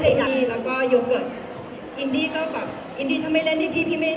เสียงปลดมือจังกัน